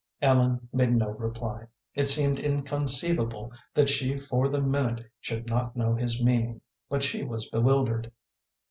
Ellen made no reply. It seemed inconceivable that she for the minute should not know his meaning, but she was bewildered.